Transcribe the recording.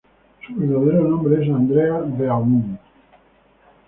Su verdadero nombre es Andrea Beaumont.